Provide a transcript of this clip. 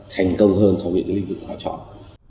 thành công hơn trong những lĩnh vực họ chọn